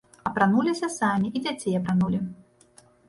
Апрануліся самі і дзяцей апранулі.